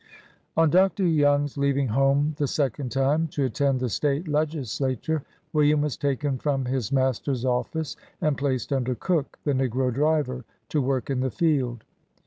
'' On Dr. Young's leaving home the second time, to attend the State Legislature, William was taken from his master's office and placed under Cook, the negro driver, to work in the field.